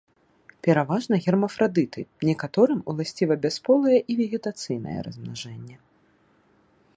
Пераважна гермафрадыты, некаторым уласціва бясполае і вегетацыйнае размнажэнне.